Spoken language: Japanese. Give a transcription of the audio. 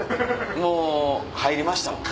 もう入りましたもんね。